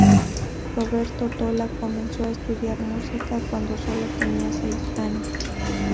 Roberto Tola comenzó a estudiar música cuando solo tenía seis años.